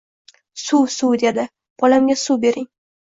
— Suv, suv... — dedi. — Bolamga suv bering.